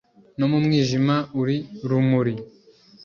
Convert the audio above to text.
No mu mwijima uri rumuri